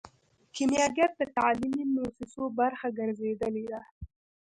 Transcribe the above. کیمیاګر د تعلیمي موسسو برخه ګرځیدلی دی.